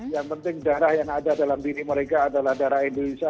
yang penting darah yang ada dalam diri mereka adalah darah indonesia